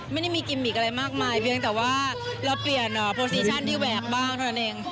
ไม่ได้มีกิมมิกอะไรมากมายเพียงแต่ว่าเราเปลี่ยนโปรซีชั่นที่แหวกบ้างเท่านั้นเอง